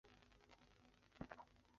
束缚衣服装。